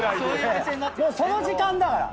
もうその時間だから。